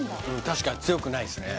確かに強くないっすね